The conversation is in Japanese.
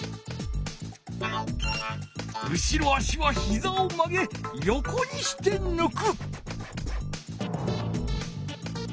後ろ足はひざを曲げ横にしてぬく。